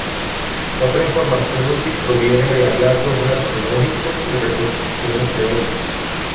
Otra información útil proviene de hallazgos arqueológicos y reconstrucciones teóricas.